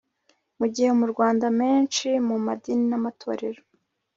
mu gihe mu rwanda amenshi mu madini n'amatorero